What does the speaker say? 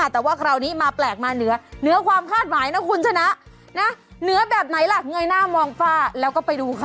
แต่ว่าคราวนี้มาแปลกมาเหนือเหนือความคาดหมายนะคุณชนะนะเหนือแบบไหนล่ะเงยหน้ามองฝ้าแล้วก็ไปดูค่ะ